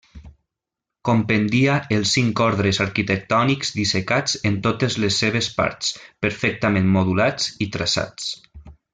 Compendia els cinc ordres arquitectònics dissecats en totes les seves parts, perfectament modulats i traçats.